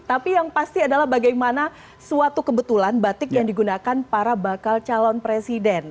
tapi yang pasti adalah bagaimana suatu kebetulan batik yang digunakan para bakal calon presiden